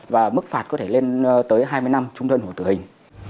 và mức phạt có thể lên tới hai mươi năm trung thân hồ tử hình